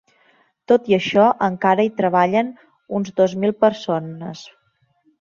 Tot i això, encara hi treballen uns dos mil persones.